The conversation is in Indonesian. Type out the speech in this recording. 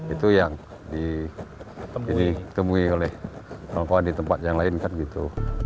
itu yang ditemui oleh orang tua di tempat yang lain kan gitu